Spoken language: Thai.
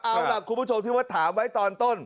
เอาล่ะคุณผู้ชมที่ว่าถามไว้ตอนต้น